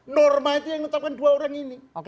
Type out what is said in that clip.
norma itu yang menetapkan dua orang ini